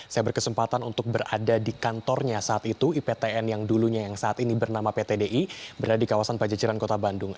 saya berkesempatan untuk berada di kantornya saat itu iptn yang dulunya yang saat ini bernama pt di berada di kawasan pajajaran kota bandung